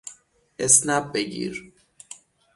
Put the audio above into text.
اسنپ بگیر